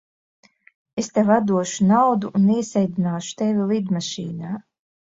Es tev atdošu naudu un iesēdināšu tevi lidmašīnā.